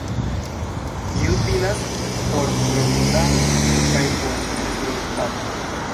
Ĝi utilas por provizado kaj por reproduktado.